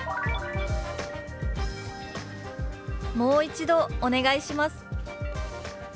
「もう一度お願いします」。